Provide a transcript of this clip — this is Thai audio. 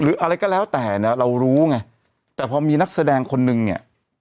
อะไรก็แล้วแต่เนี่ยเรารู้ไงแต่พอมีนักแสดงคนนึงเนี่ย